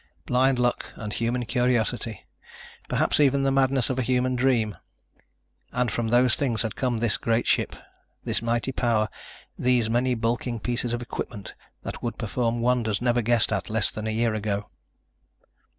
Blind luck and human curiosity ... perhaps even the madness of a human dream ... and from those things had come this great ship, this mighty power, these many bulking pieces of equipment that would perform wonders never guessed at less than a year ago.